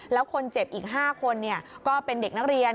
แล้วคนเจ็บอีก๕คนก็เป็นเด็กนักเรียน